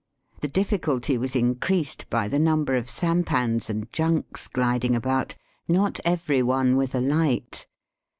The difficulty was increased by the number of sampans and junks gliding about, not every one with a light.